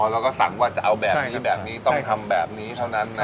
เราก็สั่งว่าจะเอาแบบนี้แบบนี้ต้องทำแบบนี้เท่านั้นนะ